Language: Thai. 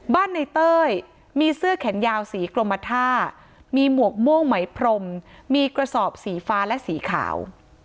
ในเต้ยมีเสื้อแขนยาวสีกรมท่ามีหมวกม่วงไหมพรมมีกระสอบสีฟ้าและสีขาว